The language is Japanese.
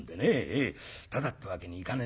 タダってわけにいかねえんでね。